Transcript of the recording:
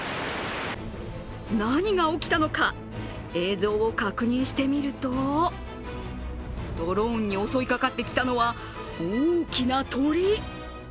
何が起きたのか、映像を確認してみるとドローンに襲いかかってきたのは大きな鳥。